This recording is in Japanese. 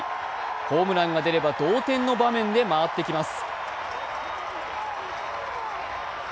ホームランが出れば、同点の場面で回ってきます。